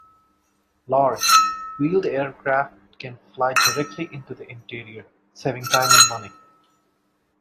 Large, wheeled aircraft can fly directly into the interior, saving time and money.